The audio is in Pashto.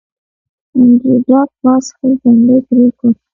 انډریو ډاټ باس خپل تندی ترېو کړ